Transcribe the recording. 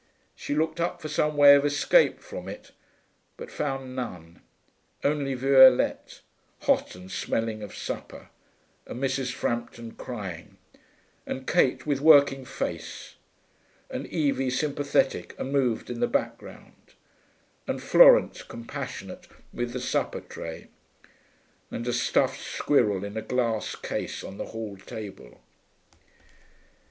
She looked up for some way of escape from it, but found none, only Violette, hot and smelling of supper, and Mrs. Frampton crying, and Kate with working face, and Evie sympathetic and moved in the background, and Florence compassionate with the supper tray, and a stuffed squirrel in a glass case on the hall table.